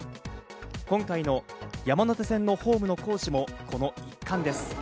今回の山手線のホームの工事もこの一環です。